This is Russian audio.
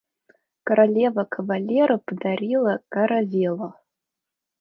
Королева кавалеру подарила каравеллу.